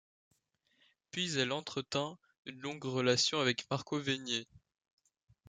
Puis elle entretint une longue relation avec Marco Venier.